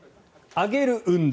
上げる運動